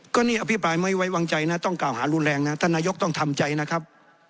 ก็นี่อภิปรายไม่ไว้วางใจนะต้องกล่าวหารุนแรงนะท่านนายกต้องทำใจนะครับ